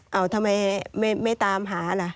เอาทำไมไม่ตามหาล่ะ